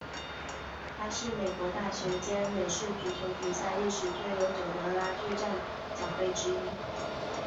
它是美国大学间美式足球比赛历史最悠久的拉锯战奖杯之一。